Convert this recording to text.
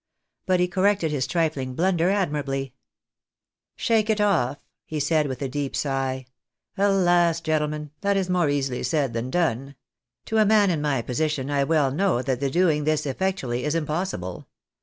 But he corrected this trifling blunder admirably. " Shake it off !" he said, with a deep sigh. " Alas ! gentlemen, that is more easily said than done. To a man in my position I well know that the doing this effectually is impossible.